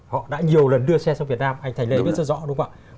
họ đã nhiều lần đưa xe sang việt nam anh thành lê viết rất rõ đúng không ạ